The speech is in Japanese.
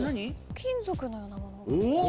金属のようなものが。